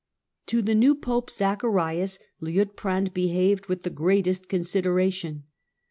To the new Pope, Zacharias, Liutprand behaved with he greatest consideration.